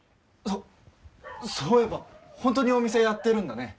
そういえば本当にお店やってるんだね。